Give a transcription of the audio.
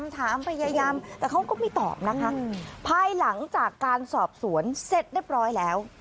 พยายามแต่เขาก็ไม่ตอบนะคะภายหลังจากการสอบสวนเสร็จเรียบร้อยแล้ว